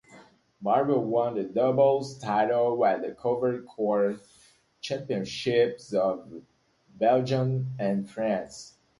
Barbier won the doubles title at the covered courts championships of Belgium and France.